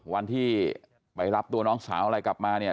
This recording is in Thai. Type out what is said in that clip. วันที่ไปรับตัวน้องสาวอะไรกลับมาเนี่ย